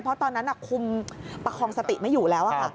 เพราะตอนนั้นคุมประคองสติไม่อยู่แล้วค่ะ